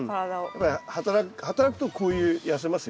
やっぱり働くとこういう痩せますよ。